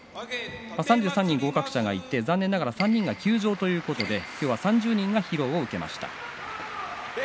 ３３人合格者がいて残念ながら３人が休場ということで今日は３０人が披露を受けました。